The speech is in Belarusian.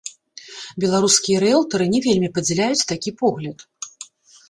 Беларускія рыэлтары не вельмі падзяляюць такі погляд.